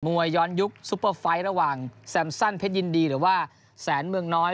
วยย้อนยุคซุปเปอร์ไฟต์ระหว่างแซมซันเพชรยินดีหรือว่าแสนเมืองน้อย